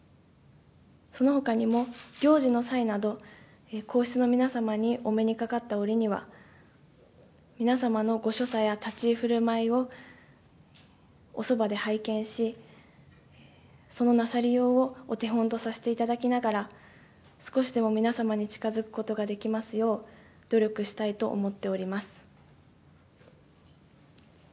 そのほかにも行事の際など、皇室の皆様にお目にかかった折には、皆様のご所作や立ち居ふるまいをおそばで拝見し、そのなさりようを、お手本とさせていただきながら、少しでも皆様に近づくことができますよう、努力したいと思っております。